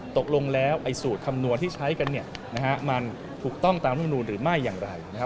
ตกลงแล้วไอ้สูตรคำนวณที่ใช้กันมันถูกต้องตามธรรมนูลหรือไม่อย่างไรนะครับ